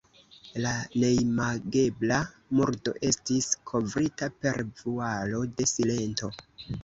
La neimagebla murdo estis kovrita per vualo de silento.